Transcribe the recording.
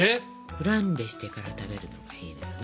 フランベしてから食べるのがいいのよ。